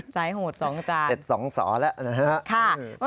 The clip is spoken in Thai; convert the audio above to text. สายโหด๒จานเหร็จ๒สอแล้วนะฮะข้า